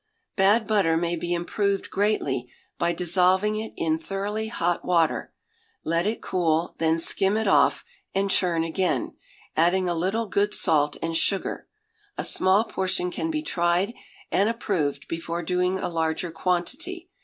Bad butter may be improved greatly by dissolving it in thoroughly hot water; let it cool, then skim it off, and churn again, adding a little good salt and sugar. A small portion can be tried and approved before doing a larger quantity.